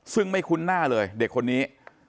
ซึ่งไม่คุ้นหน้าเลยเด็กคนนี้